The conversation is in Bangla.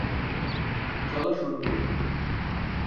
চলো শুরু করি।